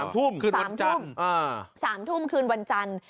๓ทุ่มคืนวันจันทร์